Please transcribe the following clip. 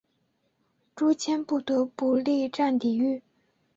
朱谦不得不力战抵御。